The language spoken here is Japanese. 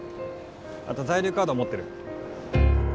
あと在留カード持ってる？